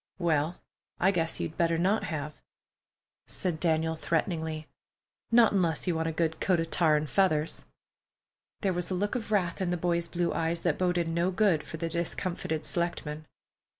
"Well, I guess you better not have," said Daniel threateningly—"not unless you want a good coat of tar and feathers." There was a look of wrath in the boy's blue eyes that boded no good for the discomfited selectman.